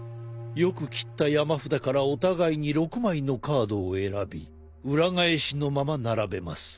よくきった山札からお互いに６枚のカードを選び裏返しのまま並べます。